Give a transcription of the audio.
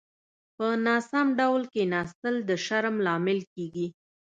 په ناسمو ډول کيناستل د شرم لامل کېږي.